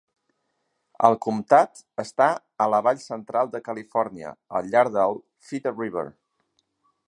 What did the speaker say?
El comtat està a la Vall Central de Califòrnia al llarg del Feather River.